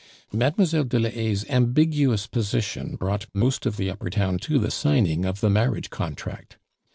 Mlle. de la Haye's ambiguous position brought most of the upper town to the signing of the marriage contract.